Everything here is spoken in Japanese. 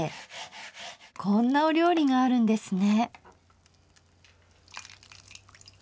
こんなお料理があるんですね。